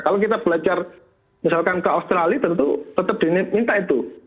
kalau kita belajar misalkan ke australia tentu tetap diminta itu